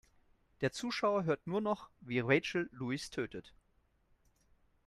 Der Zuschauer hört nur noch, wie Rachel Louis tötet.